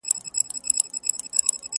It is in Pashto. ټول به دي خپل وي غلیمان او رقیبان به نه وي!!